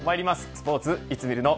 スポーツいつ見るの。